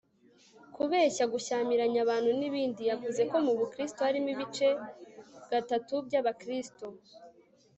kubeshya, gushyamiranya abantu n'ibindi.yavuze ko mu bukristu harimo ibice gatatu by'abakristu